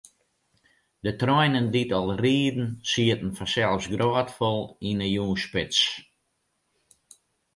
De treinen dy't ál rieden, sieten fansels grôtfol yn 'e jûnsspits.